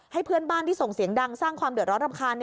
เพื่อนบ้านที่ส่งเสียงดังสร้างความเดือดร้อนรำคาญ